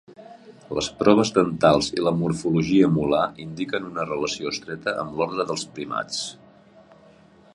Les proves dentals i la morfologia molar indiquen una relació estreta amb l'ordre dels primats.